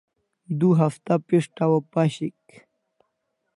Du hafta pishtaw o pashik